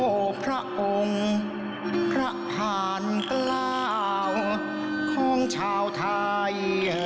พระองค์พระผ่านกล้าวของชาวไทย